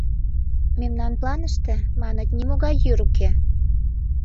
— Мемнан планыште, маныт, нимогай йӱр уке.